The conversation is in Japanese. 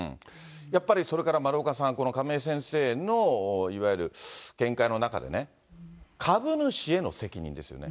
やっぱりそれから丸岡さん、この亀井先生のいわゆる見解の中でね、株主への責任ですよね。